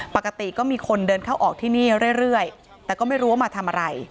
ปกติก็มีคนเดินเข้าออกที่นี่เรื่อยแต่ก็ไม่รู้ว่ามาทำอะไร